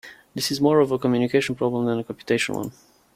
This is more of a communication problem than a computation one.